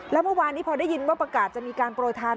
แล้วเมื่อวานนี้พอได้ยินว่าประกาศจะมีการโปรยทาน